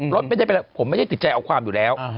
รถไม่ได้ไปแล้วผมไม่ได้ติดใจเอาความอยู่แล้ว